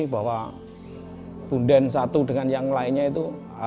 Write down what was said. bahwa bunden satu dengan yang lainnya itu